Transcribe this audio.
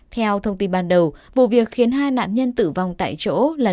theo thông tin ban đầu vụ việc khiến hai nạn nhân tử vong tại chỗ là